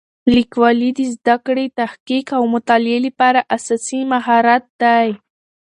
لیکوالی د زده کړې، تحقیق او مطالعې لپاره اساسي مهارت دی.